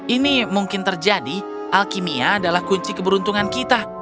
ini mungkin terjadi alkimia adalah kunci keberuntungan kita